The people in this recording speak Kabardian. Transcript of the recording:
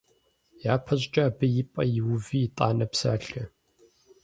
Япэщӏыкӏэ абы и пӏэ иуви итӏанэ псалъэ.